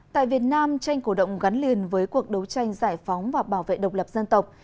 tại việt nam tranh cổ động gắn liền với cuộc đấu tranh giải phóng và bảo vệ độc lập dân tộc